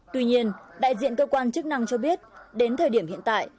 tuy nhiên đại diện cơ quan chức năng cho biết đến thời điểm hiện tại